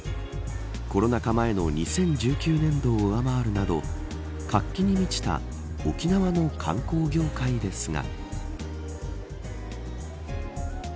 コロナ禍前の２０１９年度を上回るなど活気に満ちた沖縄の観光業界ですが。